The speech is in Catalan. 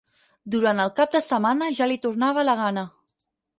Durant el cap de setmana ja li tornava la gana.